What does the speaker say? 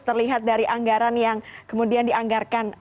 terlihat dari anggaran yang kemudian dianggarkan